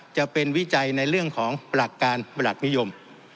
จะเป็นวิจัยในเรื่องของหลักการประหลักนิยม